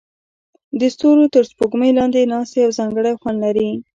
د ستورو تر سپوږمۍ لاندې ناستې یو ځانګړی خوند لري.